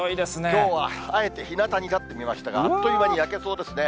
きょうはあえて、ひなたに立ってみましたが、あっという間に焼けそうですね。